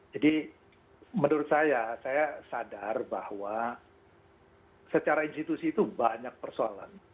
jadi menurut saya saya sadar bahwa secara institusi itu banyak persoalan